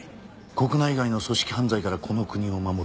国内外の組織犯罪からこの国を守る。